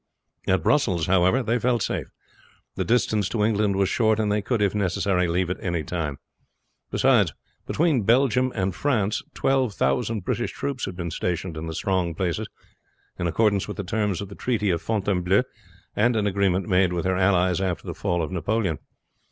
At Brussels, however, they felt safe; the distance to England was short, and they could, if necessary, leave at any time. Beside, between Belgium and France twelve thousand British troops had been stationed in the strong places, in accordance with the terms of the treaty of Fontainebleau and an agreement made with her allies after the fall of Napoleon.